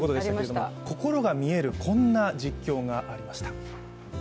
心が見える、こんな実況がありました。